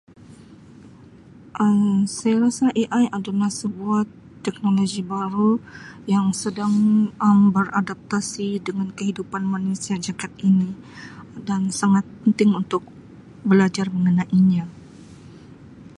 Um Saya rasa AI adalah sebuah teknologi baru yang sedang Um beradaptasi dengan kehidupan manusia dekad ini dan sangat penting untuk belajar mengenainya.